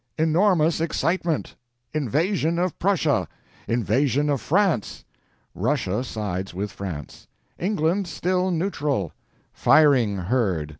ENORMOUS EXCITEMENT!! INVASION OF PRUSSIA!! INVASION OF FRANCE!! RUSSIA SIDES WITH FRANCE. ENGLAND STILL NEUTRAL! FIRING HEARD!